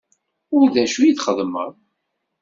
U d acu i txeddmeḍ?